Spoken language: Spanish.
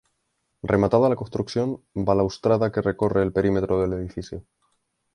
Remata la construcción balaustrada que recorre el perímetro del edificio.